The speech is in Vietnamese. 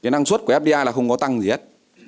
năng suất của fdi không có tăng gì hết